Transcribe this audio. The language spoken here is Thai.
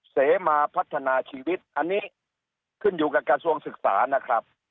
เสมาพัฒนาชีวิตอันนี้ขึ้นอยู่กับกระทรวงศึกษานะครับ